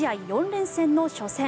４連戦の初戦